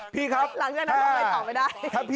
พี่ครับถ้าพี่พักต่อไม่ได้